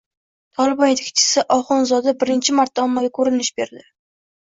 Tolibon yetakchisi Oxunzoda birinchi marta ommaga ko‘rinish berding